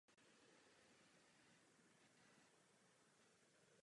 Dalším cílem je usnadnit komunikaci mezi širokou veřejností a konkrétními znalci.